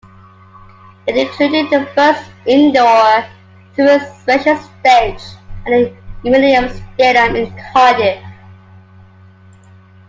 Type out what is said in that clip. It included the first indoor super special stage at the Millennium Stadium in Cardiff.